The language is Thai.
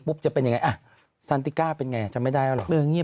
ปุ๊บจะเป็นยังไงอ่ะซันติก้าเป็นไงจะไม่ได้หรอเบอร์เงียบ